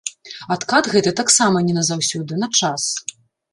Адкат гэты таксама не на заўсёды, на час.